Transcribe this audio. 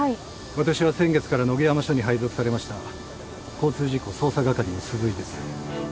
私は先月から野毛山署に配属されました交通事故捜査係の鈴井です。